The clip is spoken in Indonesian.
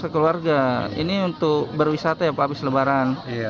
sekeluarga ini untuk berwisata ya pak abis lebaran